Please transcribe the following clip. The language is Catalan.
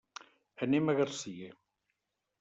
Anem a Garcia.